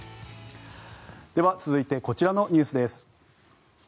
続いてこちらのニュースです。